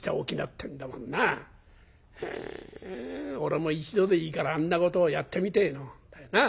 へえ俺も一度でいいからあんなことをやってみてえもんだよな。